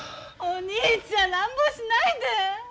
お兄ちゃん乱暴しないで！